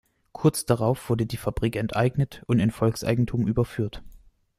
Kurz darauf wurde die Fabrik enteignet und in Volkseigentum überführt.